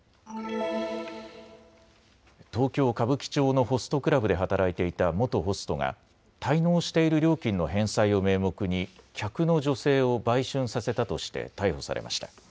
東京歌舞伎町のホストクラブで働いていた元ホストが滞納している料金の返済を名目に客の女性を売春させたとして逮捕されました。